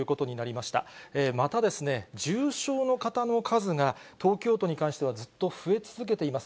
また、重症の方の数が東京都に関しては、ずっと増え続けています。